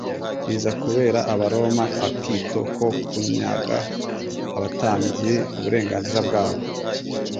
biza kubera Abaroma akito ko kunyaga abatambyi uburenganzira bwabo,